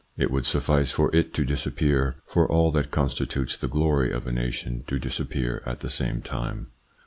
It would suffice for it to disappear for all that constitutes the glory of a nation to disappear at the same time.